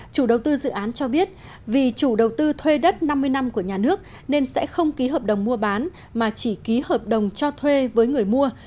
chủ đầu tư dự án cho biết vì chủ đầu tư thuê đất năm mươi năm của nhà nước nên sẽ không ký hợp đồng mua bán mà chỉ ký hợp đồng cho thuê với người mua